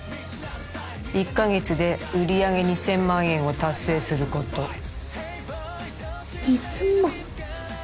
１カ月で売上２０００万円を達成すること２０００万？